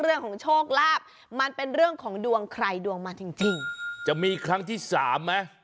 เรื่องของโชคลาภมันเป็นเรื่องของดวงใครดวงมาจริงจริงจะมีครั้งที่สามไหม